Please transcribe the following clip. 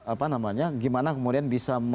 apa namanya gimana kemudian bisa